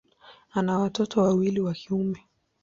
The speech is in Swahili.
Ana watoto wawili wa kiume.